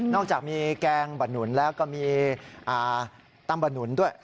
อกจากมีแกงบะหนุนแล้วก็มีตำบะหนุนด้วย